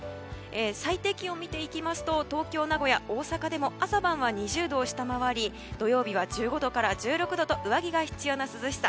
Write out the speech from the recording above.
最低気温を見ていきますと東京、名古屋、大阪でも朝晩は２０度を下回り土曜日は１５度から１６度と上着が必要な涼しさ。